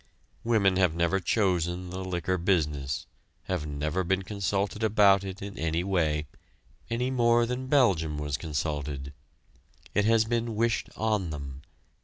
Women have never chosen the liquor business, have never been consulted about it in any way, any more than Belgium was consulted. It has been wished on them.